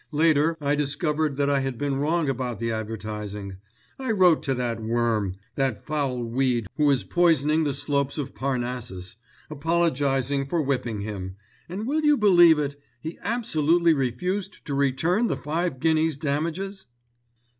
Later I discovered that I had been wrong about the advertising. I wrote to that worm, that foul weed who is poisoning the slopes of Parnassus, apologising for whipping him, and will you believe it, he absolutely refused to return the five guineas damages?"